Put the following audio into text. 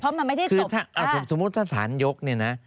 นี่ไงสมมติถ้าสารยกนี่นะ